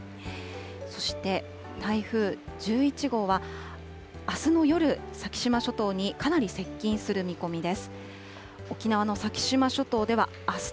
そして台風１１号は、あすの夜、先島諸島にかなり接近する見込みです。